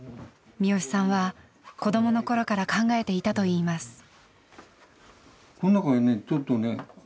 視良さんは子どもの頃から考えていたといいます。